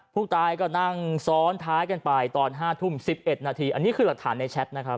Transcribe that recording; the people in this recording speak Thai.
ผู้ตายก็นั่งซ้อนท้ายกันไปตอน๕ทุ่ม๑๑นาทีอันนี้คือหลักฐานในแชทนะครับ